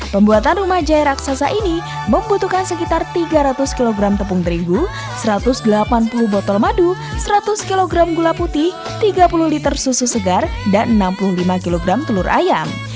pembuatan rumah jaya raksasa ini membutuhkan sekitar tiga ratus kg tepung terigu satu ratus delapan puluh botol madu seratus kg gula putih tiga puluh liter susu segar dan enam puluh lima kg telur ayam